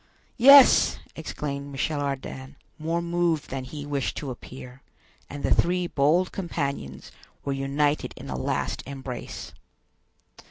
"Yes," exclaimed Michel Ardan, more moved than he wished to appear; and the three bold companions were united in a last embrace.